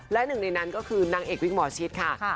และหนึ่งในนั้นก็คือนางเอกวิกหมอชิดค่ะ